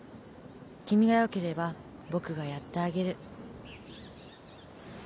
君がよければ僕がやってあげる